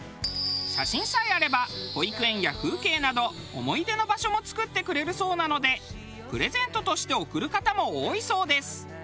写真さえあれば保育園や風景など思い出の場所も作ってくれるそうなのでプレゼントとして贈る方も多いそうです。